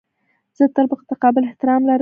زه تل متقابل احترام لرم.